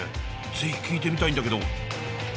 ぜひ聞いてみたいんだけど。